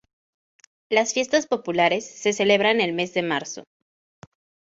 Las fiestas populares se celebran el mes de marzo.